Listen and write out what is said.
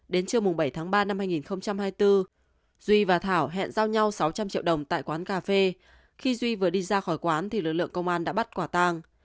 đến trưa bảy tháng ba năm hai nghìn hai mươi bốn duy và thảo hẹn giao nhau sáu trăm linh triệu đồng tại quán cà phê khi duy vừa đi ra khỏi quán thì lực lượng công an đã bắt quả tàng